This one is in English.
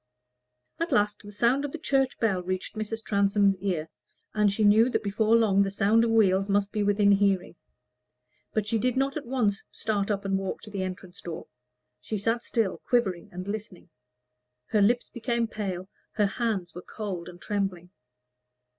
At last the sound of the church bell reached Mrs. Transome's ear, and she knew that before long the sound of wheels must be within hearing; but she did not at once start up and walk to the entrance door. She sat still, quivering and listening; her lips became pale, her hands were cold and trembling.